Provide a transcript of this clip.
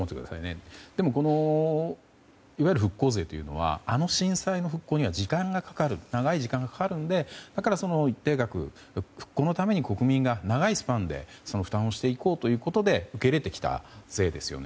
でもいわゆる復興税というのはあの震災の復興には長い時間がかかるのでだから一定額、復興のために国民が長いスパンでその負担をしていこうということで受け入れてきた税ですよね。